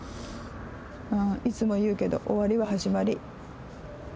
いつも言うけど、終わりは始まり。